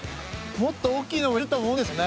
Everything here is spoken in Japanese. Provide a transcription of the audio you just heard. もっと大きいのもいると思うんですけどね